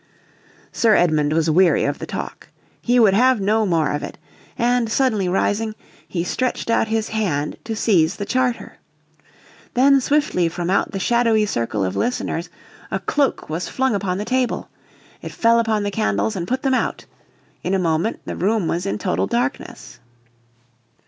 Sir Edmund was weary of the talk. He would have no more of it, and, suddenly rising, he stretched out his hand to seize the charter. Then, swiftly from out the shadowy circle of listeners, a cloak was flung upon the table. It fell upon the candles and put them out. In a moment the room was in total darkness.